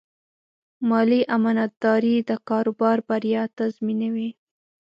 مالي امانتداري د کاروبار بریا تضمینوي.